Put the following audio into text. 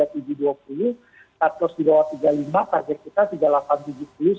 cut loss di bawah tiga puluh lima target kita tiga ribu delapan ratus tujuh puluh sampai tiga ribu sembilan ratus sembilan puluh